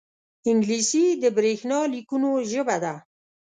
انګلیسي د برېښنا لیکونو ژبه ده